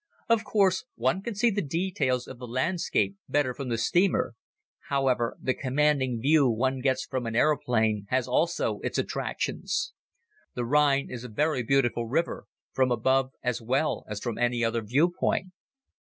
Of course, one can see the details of the landscape better from the steamer. However, the commanding view one gets from an aeroplane has also its attractions. The Rhine is a very beautiful river, from above as well as from any other viewpoint.